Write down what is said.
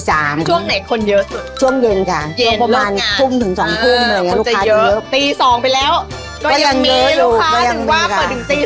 ช่วงไหนคนเยอะสุดช่วงเย็นค่ะประมาณทุ่มถึง๒ทุ่มเลยค่ะคนจะเยอะตี๒ไปแล้วก็ยังมีลูกค้าถึงว่าเปิดถึงตี๓